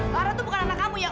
lara tuh bukan anak kamu ya